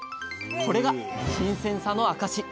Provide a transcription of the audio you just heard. これが新鮮さの証し。